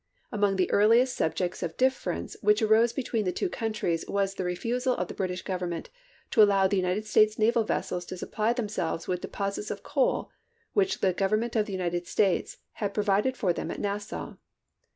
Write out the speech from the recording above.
Among the earliest subjects of difference which arose between the two countries was the refusal of the British Government to allow the United States naval vessels to supply themselves with deposits of coal which the Government of the United States had provided for them at Nassau.